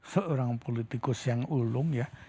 seorang politikus yang ulung ya